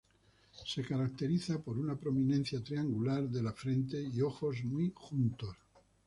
Se caracteriza por una prominencia triangular de la frente y ojos muy juntos.